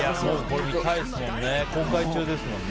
これ見たいですもんね。